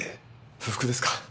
不服ですか？